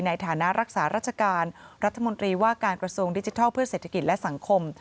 ในฐานะรักษาราชการรัฐมนตรีว่าการกระทรวงดิจิทัลเพื่อเศรษฐกิจและสังคม